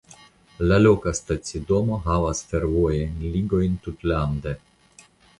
La loka stacidomo havas fervojajn ligojn tutlande.